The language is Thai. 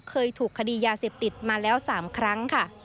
เคยถูกคดียาเสพติดมาแล้ว๓ครั้งค่ะ